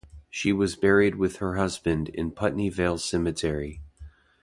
She was buried with her husband in Putney Vale Cemetery.